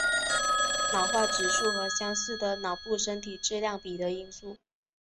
脑化指数和相似的脑部身体质量比的因素。